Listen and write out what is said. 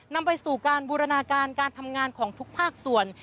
นำไปสู่การบูรณาการการทำงานของทุกภาคส่วน